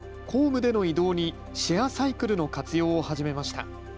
埼玉県朝霞市は今月から公務での移動にシェアサイクルの活用を始めました。